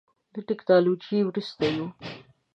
له ټکنالوژۍ وروسته یو.